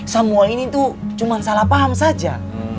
semua ini tuh cuma salah paham saja